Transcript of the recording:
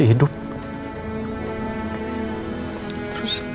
tidak ada apa apa